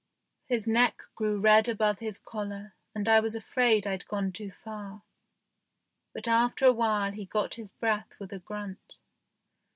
His neck grew red above his collar, and I was afraid I'd gone too far; but after a while he got his breath with a grunt.